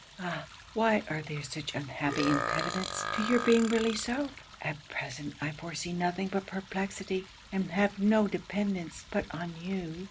Ah! why are there such unhappy impediments to your being really so? At present I foresee nothing but perplexity; and have no dependance but on you.